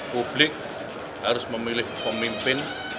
publik harus memilih pemimpin